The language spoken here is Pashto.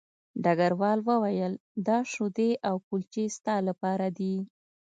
ډګروال وویل دا شیدې او کلچې ستا لپاره دي